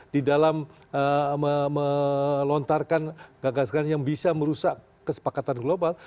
di dalam melontarkan gagasan yang bisa merusak kesepakatan global